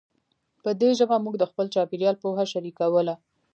په دې ژبه موږ د خپل چاپېریال پوهه شریکوله.